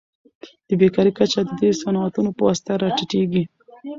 د بیکارۍ کچه د دې صنعتونو په واسطه راټیټیږي.